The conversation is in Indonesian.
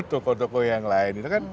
toko toko yang lain